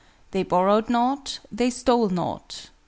They borrowed nought; they stole nought.